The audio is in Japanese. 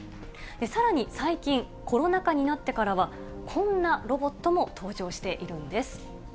さらに、最近、コロナ禍になってからは、こんなロボットも登場しているんです。